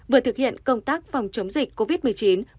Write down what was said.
vừa thực hiện công tác phòng chống dịch covid một mươi chín một cách hiệu quả